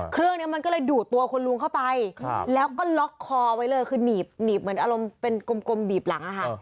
เครื่องนี้มันก็เลยดูดตัวคุณลุงเข้าไปแล้วก็ล็อกคอไว้เลยคือหนีบเหมือนอารมณ์เป็นกลมบีบหลังอะค่ะ